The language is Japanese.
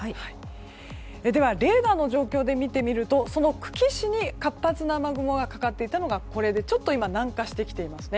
では、レーダーの状況で見てみるとその久喜市に活発な雨雲がかかっていましてちょっと今、南下しています。